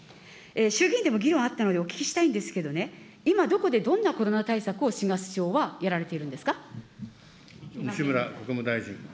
衆議院でも議論あったので、お聞きしたいんですけどね、今、どこでどんなコロナ対策を、菅首相はやられてるんですか。